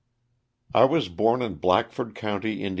T WAS born in Blackford county, Ind.